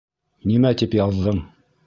Нимә тип яҙҙың?